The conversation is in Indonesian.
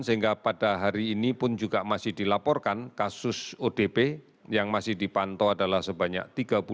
sehingga pada hari ini pun juga masih dilaporkan kasus odp yang masih dipantau adalah sebanyak tiga puluh lima sembilan ratus tiga puluh delapan